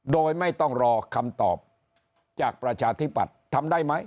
โดยไม่ต้องรอคำตอบจากประชาธิปัตย์ทำได้ไหม